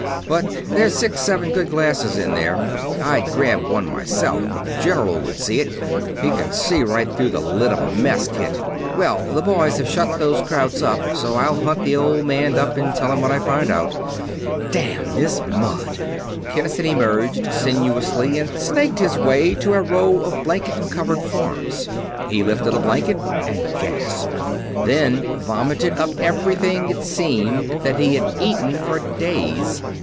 But there's six seven good glasses in there. I'd grab one myself, but the general would see it he can see right through the lid of a mess kit. Well, the boys have shut those krauts up, so I'll hunt the old man up and tell him what I found out. Damn this mud!" Kinnison emerged sinuously and snaked his way to a row of blanket covered forms. He lifted a blanket and gasped: then vomited up everything, it seemed, that he had eaten for days.